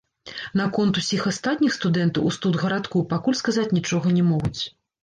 Наконт усіх астатніх студэнтаў у студгарадку пакуль сказаць нічога не могуць.